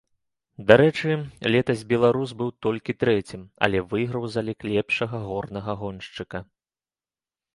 Дарэчы, летась беларус быў толькі трэцім, але выйграў залік лепшага горнага гоншчыка.